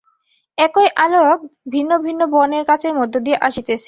একই আলোক ভিন্ন ভিন্ন বর্ণের কাচের মধ্য দিয়া আসিতেছে।